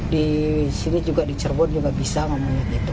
di sini juga di cirebon juga bisa ngomongin gitu